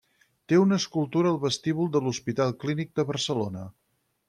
Té una escultura al vestíbul de l'Hospital Clínic de Barcelona.